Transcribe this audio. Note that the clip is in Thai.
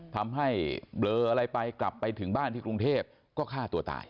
ทำให้เบลออะไรไปกลับไปถึงบ้านที่กรุงเทพก็ฆ่าตัวตาย